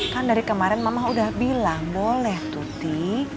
kan dari kemarin mamah udah bilang boleh tuti